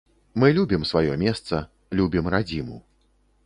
Мы любім сваё месца, любім радзіму.